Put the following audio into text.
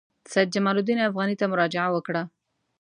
سید جمال الدین افغاني ته مراجعه وکړه.